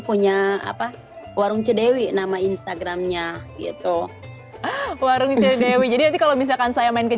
punya apa warung cedewi nama instagramnya gitu warung cedewi jadi kalau misalkan saya main ke